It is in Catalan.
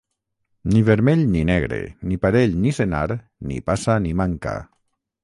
Ni vermell ni negre ni parell ni senar ni passa ni manca.